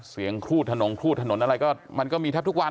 ครูดถนนครูดถนนอะไรก็มันก็มีแทบทุกวัน